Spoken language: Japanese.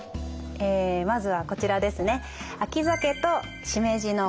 えまずはこちらですね。